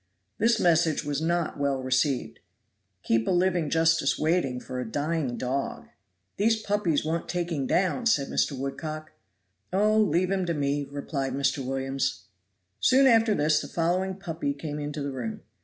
This message was not well received. Keep a living justice waiting for a dying dog! "These puppies want taking down," said Mr. Woodcock. "Oh, leave him to me," replied Mr. Williams. Soon after this the following puppy came into the room.